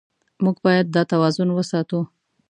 موږ باید دا توازن وساتو.